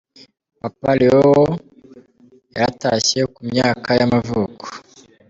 Papa Leo wa yaratashye, ku myaka y’amavuko.